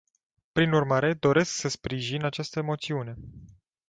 Prin urmare, doresc, să sprijin această moțiune.